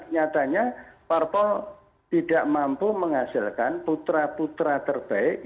nyatanya parpol tidak mampu menghasilkan putra putra terbaik